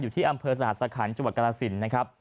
อยู่ที่อำเภอสหรัฐสคัญจวดกรสินทร์นะครับ